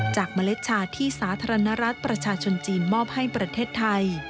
เมล็ดชาที่สาธารณรัฐประชาชนจีนมอบให้ประเทศไทย